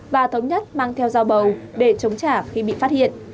và thống nhất mang theo dao bầu để chống trả khi bị phát hiện